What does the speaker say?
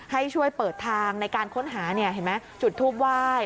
ให้ช่วยเปิดทางในการค้นหาจุดทูปไหว้